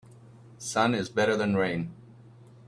Sun is better than rain.